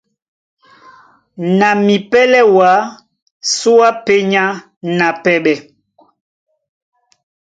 Na mipɛ́lɛ́ wǎ súe á pényá na pɛɓɛ.